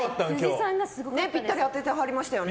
ぴったり当ててはりましたよね。